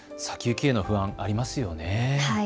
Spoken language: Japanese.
先行きへの不安、ありますよね。